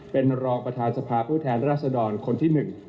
เป็นรองประธานสภาผู้แทนราษดรคนที่๑